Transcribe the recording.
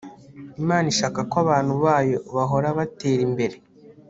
imana ishaka ko abantu bayo bahora batera imbere